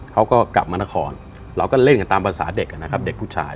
เขาก็กลับมานครเราก็เล่นกันตามภาษาเด็กนะครับเด็กผู้ชาย